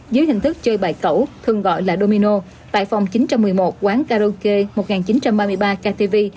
dưới hình thức chơi bài cẩu thường gọi là domino tại phòng chín trăm một mươi một quán karaoke một nghìn chín trăm ba mươi ba ktv